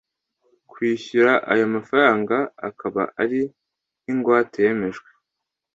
kwishyura ayomafaranga akaba ari nk’ingwate yemejwe.